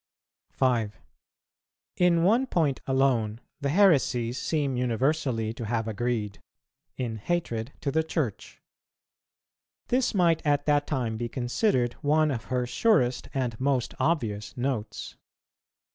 5. In one point alone the heresies seem universally to have agreed, in hatred to the Church. This might at that time be considered one of her surest and most obvious Notes.